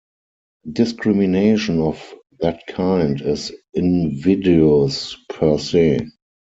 Discrimination of that kind is invidious per se.